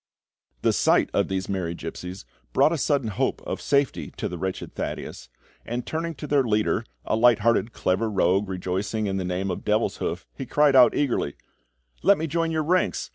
The sight of these merry gipsies brought a sudden hope of safety to the wretched Thaddeus, and turning to their leader, a light hearted, clever rogue rejoicing in the name of Devilshoof, he cried out eagerly: "Let me join your ranks!